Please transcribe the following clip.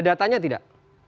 ada datanya tidak